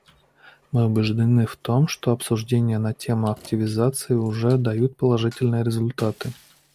Мы убеждены в том, что обсуждения на тему активизации уже дают положительные результаты.